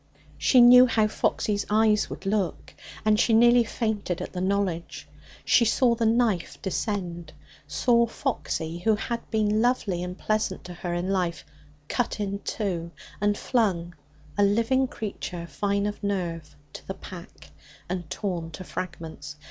She knew how Foxy's eyes would look, and she nearly fainted at the knowledge. She saw the knife descend saw Foxy, who had been lovely and pleasant to her in life, cut in two and flung (a living creature, fine of nerve) to the pack, and torn to fragments.